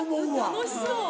・楽しそう・